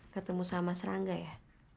ketemu sama serangga ya